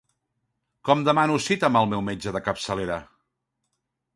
Com demano cita amb el meu metge de capçalera?